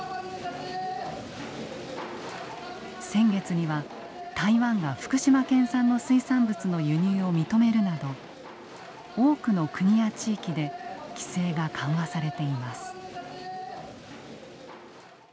先月には台湾が福島県産の水産物の輸入を認めるなど多くの国や地域で規制が緩和されています。